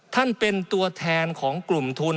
ท่านเป็นตัวแทนของกลุ่มทุน